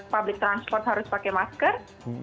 public transport harus pakai masker